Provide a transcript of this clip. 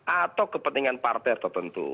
atau kepentingan partai tertentu